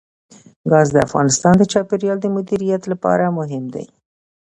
ګاز د افغانستان د چاپیریال د مدیریت لپاره مهم دي.